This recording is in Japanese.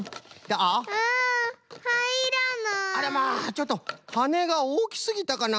ちょっとはねがおおきすぎたかな？